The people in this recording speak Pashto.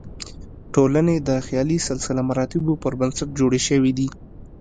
ټولنې د خیالي سلسله مراتبو پر بنسټ جوړې شوې دي.